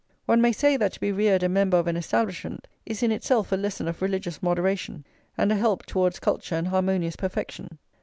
One may say that to be reared a member of an Establishment is in itself a lesson of religious moderation, and a help towards [xxiii] culture and harmonious perfection.